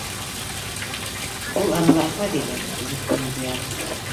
Ул арала Әхмәҙи ҙә килеп инде.